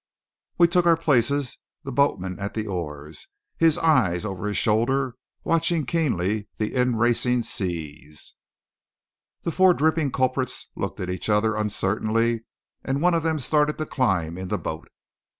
We took our places; the boatman at the oars, his eyes over his shoulder watching keenly the in racing seas. The four dripping culprits looked at each other uncertainly, and one of them started to climb in the boat.